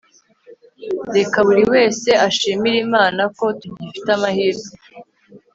reka buri wese ashimire imana ko tugifite amahirwe